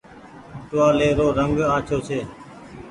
ٽوهآلي رو رنگ آڇو ڇي۔